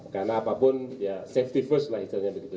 karena apapun ya safety first lah istilahnya begitu